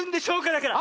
だから！